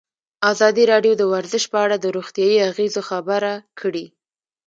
ازادي راډیو د ورزش په اړه د روغتیایي اغېزو خبره کړې.